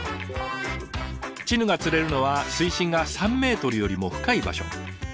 チヌが釣れるのは水深が３ｍよりも深い場所。